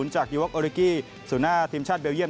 จากยูโอริกิสู่หน้าทีมชาติเบลเยี่ยม